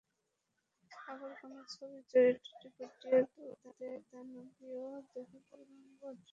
আবার কোনো ছবির চরিত্রকে ফুটিয়ে তুলতে দানবীয় দেহগড়ন অর্জন করছেন তিনি।